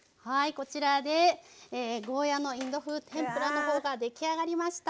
こちらでゴーヤーのインド風天ぷらのほうが出来上がりました。